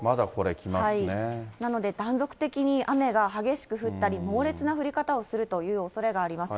なので、断続的に雨が激しく降ったり、猛烈な降り方をするというおそれがあります。